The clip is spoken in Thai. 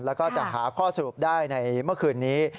แล้วก็จะหาข้อสรุปได้ในเมื่อคืนนี้